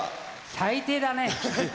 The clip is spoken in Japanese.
最低だね。